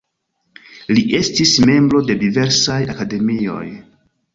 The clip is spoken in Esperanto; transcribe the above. Li estis membro de diversaj akademioj.